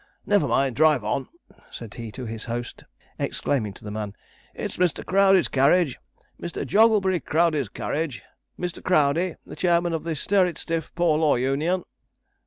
Never mind, drive on,' said he to his host; exclaiming to the man, 'it's Mr. Crowdey's carriage Mr. Jogglebury Crowdey's carriage! Mr. Crowdey, the chairman of the Stir it stiff Poor Law Union!'